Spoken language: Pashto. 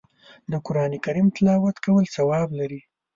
د قرآن کریم تلاوت کول ثواب لري